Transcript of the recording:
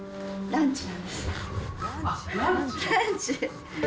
ランチ？